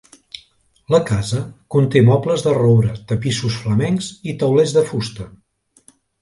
La casa conté mobles de roure, tapissos flamencs i taulers de fusta.